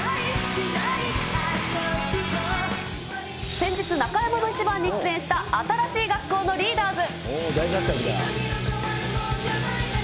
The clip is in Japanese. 先日、中山のイチバンに出演した、新しい学校のリーダーズ。